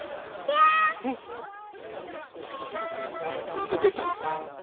なんかでたね？